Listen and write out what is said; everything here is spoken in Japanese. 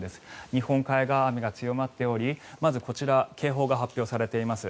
日本海側は雨が強まっておりまずこちら警報が発表されています。